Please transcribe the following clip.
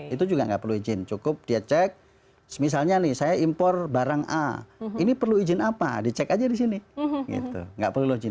itu juga nggak perlu izin cukup dia cek misalnya nih saya impor barang a ini perlu izin apa dicek aja di sini gitu nggak perlu login